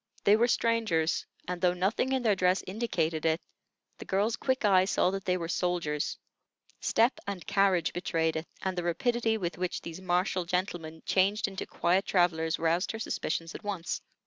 They were strangers; and though nothing in their dress indicated it, the girl's quick eye saw that they were soldiers; step and carriage betrayed it, and the rapidity with which these martial gentlemen changed into quiet travellers roused her suspicions at once.